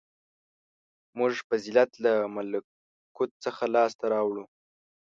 • موږ فضیلت له ملکوت څخه لاسته راوړو.